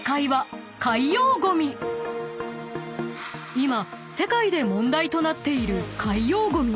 ［今世界で問題となっている海洋ゴミ］